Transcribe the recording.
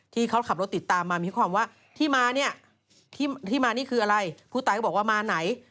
ที่เขาขับรถติดตามมามีความว่าที่มาเนี่ยที่มานี่คืออะไรผู้ตายก็บอกว่ามาไหน